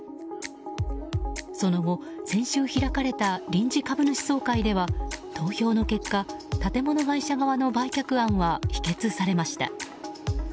その後、先週開かれた臨時株主総会では、投票の結果建物会社側の売却案は否決されました。